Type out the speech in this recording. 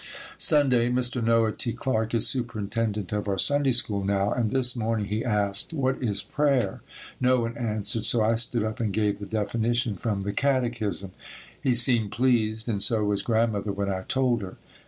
Sunday. Mr. Noah T. Clarke is superintendent of our Sunday School now, and this morning he asked, "What is prayer?" No one answered, so I stood up and gave the definition from the catechism. He seemed pleased and so was Grandmother when I told her.